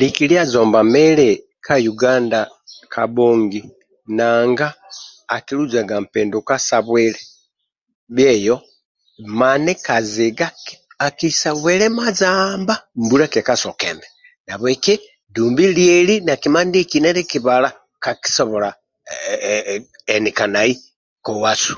Likilia zomba ka uganda kabhongi nanga akiluzaga mbinduka sa bwile bie eyo mani ka zika akisa bwile mazamba mbula kekasokembe nahabweki dumbi lieli na kima ndietolo ndie kikibala kakisobola enikanai kowasu